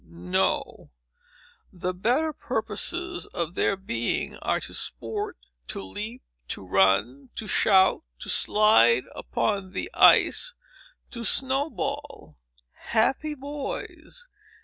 No; the better purposes of their being are to sport, to leap, to run, to shout, to slide upon the ice, to snow ball! Happy boys!